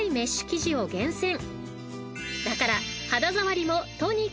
［だから］